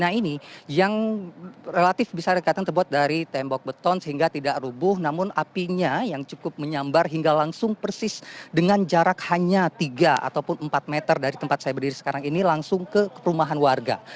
nah ini yang relatif bisa dikatakan terbuat dari tembok beton sehingga tidak rubuh namun apinya yang cukup menyambar hingga langsung persis dengan jarak hanya tiga ataupun empat meter dari tempat saya berdiri sekarang ini langsung ke perumahan warga